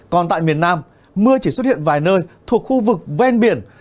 còn tại miền nam mưa chỉ xuất hiện vài nơi thuộc khu vực ven biển